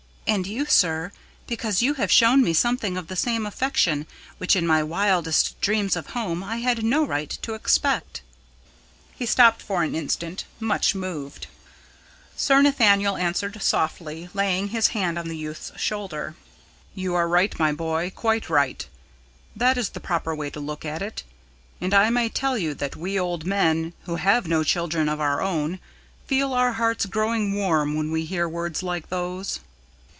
"And you, sir, because you have shown me something of the same affection which in my wildest dreams of home I had no right to expect." He stopped for an instant, much moved. Sir Nathaniel answered softly, laying his hand on the youth's shoulder. "You are right, my boy; quite right. That is the proper way to look at it. And I may tell you that we old men, who have no children of our own, feel our hearts growing warm when we hear words like those."